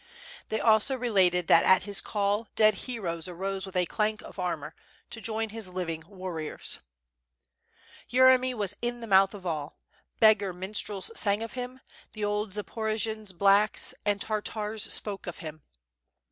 They also related that at his call dead heroes arose with clank of armor, to join his living warriors. Yeremy was in the mouth of all; beggar minstrels sang of him; the old Zaporojians "blacks'* and Tar tars spoke of him.